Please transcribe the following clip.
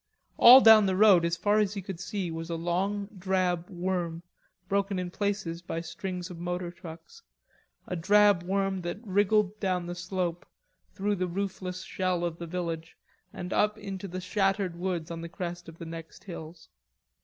All down the road as far as he could see was a long drab worm, broken in places by strings of motor trucks, a drab worm that wriggled down the slope, through the roofless shell of the village and up into the shattered woods on the crest of the next hills.